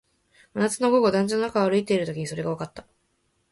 真夏の午後、団地の中を歩いているときにそれがわかった